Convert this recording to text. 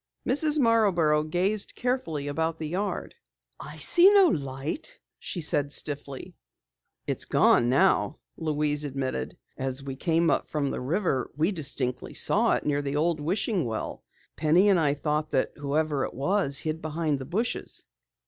Mrs. Marborough gazed carefully about the yard. "I see no light," she said stiffly. "It's gone now," Louise admitted. "As we came up from the river, we distinctly saw it near the old wishing well. Penny and I thought that whoever it was hid behind the bushes!"